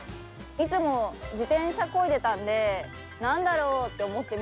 いつも自転車こいでたんで「何だろう？」って思って見てたんですけど。